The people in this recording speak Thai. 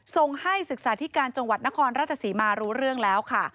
ส่งให้ศึกษาธิการจังหวัดนครราชศรีมารู้เรื่องแล้วค่ะ